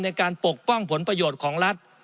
ปกป้องผลประโยชน์ของรัฐ